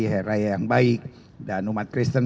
hari raya yang baik dan umat kristen